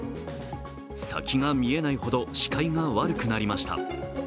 先が見えないほど視界が悪くなりました。